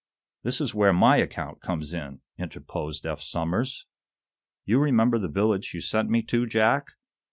"This is where my account comes in," interposed Eph Somers. "You remember the village you sent me to, Jack?